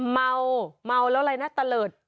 เมาเมาแล้วอะไรนะตะเลิศ